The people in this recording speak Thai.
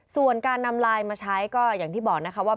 ส่วนการนำไลน์มาใช้ก็อย่างที่บอกนะคะว่า